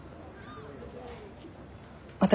私